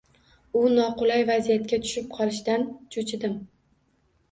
U noqulay vaziyatga tushib qolishdan cho‘chidim.